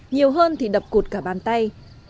nhiều hơn thì đập cụt cả bàn tay